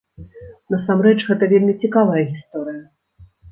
Насамрэч гэта вельмі цікавая гісторыя.